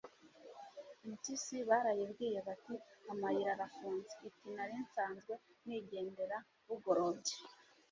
impyisi barayibwiye bati amayira arafunze, iti nari nsanzwe nigendera bugorobye